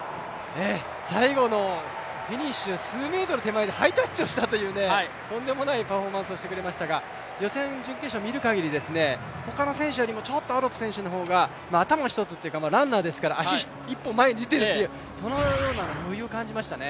最後のフィニッシュ手前でハイタッチをしたというとんでもないパフォーマンスをしてくれましたが、予選、準決勝見る限り、ほかの選手よりもちょっとアロップ選手が頭１つというか、ランナーですから、足１本前に出ているというような余裕を感じましたね。